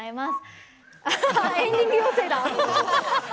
エンディング妖精だ。